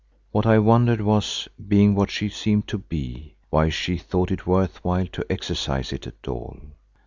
What I wondered was, being what she seemed to be, why she thought it worth while to exercise it at all.